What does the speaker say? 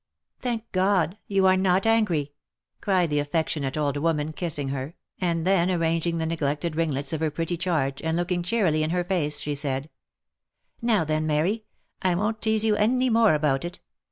"Thank God ! you are not angry," cried the affectionate old woman kissing her, and then arranging the neglected ringlets of her pretty charge, and looking cheerily in her face, she said, " Now then, Mary, OF MICHAEL ARMSTRONG. 221 I won't teaze you any more about it.